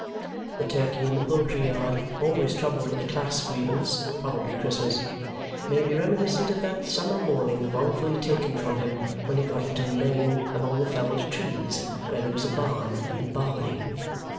The turkey in the poultry yard, always troubled with a class grievance (probably Christmas), may be reminiscent of that summer morning wrongfully taken from him when he got into the lane among the felled trees, where there was a barn and barley.